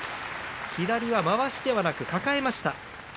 左はまわしではなく、抱えました。